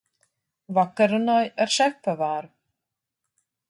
Vakar runāju ar šefpavāru.